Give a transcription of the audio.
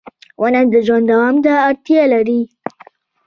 • ونه د ژوند دوام ته اړتیا لري.